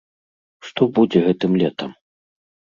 Што будзе гэтым летам?